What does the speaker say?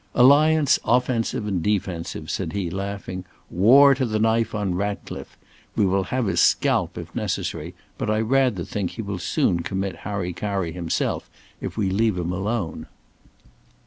"Alliance offensive and defensive," said he, laughing; "war to the knife on Ratcliffe. We will have his scalp if necessary, but I rather think he will soon commit hari kari himself if we leave him alone."